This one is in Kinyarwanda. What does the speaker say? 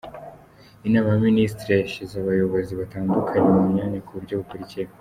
Inama y’Abaminisitiri yashyize Abayobozi batandukanye mu myanya ku buryo bukurikira:.